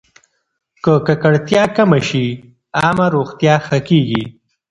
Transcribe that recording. که ککړتیا کمه شي، عامه روغتیا ښه کېږي.